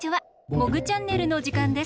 「モグチャンネル」のじかんです。